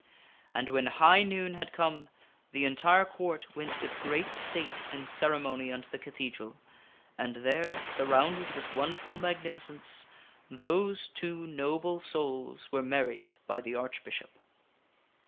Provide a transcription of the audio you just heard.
And when high noon had come, the entire Court went with great state and ceremony unto the cathedral, and there, surrounded with J i j JKing A rthur wonderful magnificence, those two noble souls were married and the Lady by the Archbishop.